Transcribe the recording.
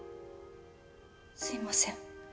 すいません。